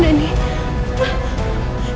aw rehab dia nih